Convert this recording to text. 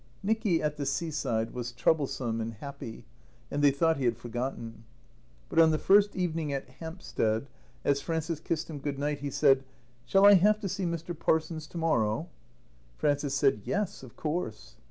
Nicky at the seaside was troublesome and happy, and they thought he had forgotten. But on the first evening at Hampstead, as Frances kissed him Good night, he said: "Shall I have to see Mr. Parsons to morrow?" Frances said: "Yes. Of course."